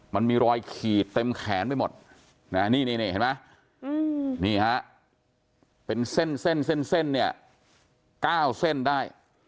มันมีรอยขีดเต็มแขนไปหมดนี่เห็นไหมเป็นเส้น๙เส้นได้